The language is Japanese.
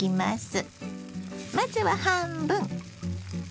まずは半分。